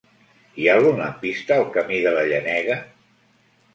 Hi ha algun lampista al camí de la Llenega?